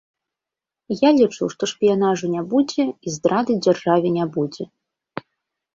Я лічу, што шпіянажу не будзе і здрады дзяржаве не будзе.